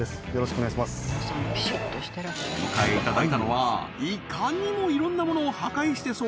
お迎えいただいたのはいかにもいろんなものを破壊してそうな